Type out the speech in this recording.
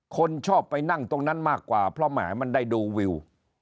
คนชอบไปนั่งตรงนั้นมากกว่าเพราะแหมมันได้ดูวิว